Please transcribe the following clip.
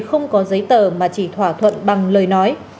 không có giấy tờ mà chỉ thỏa thuận bằng lời nói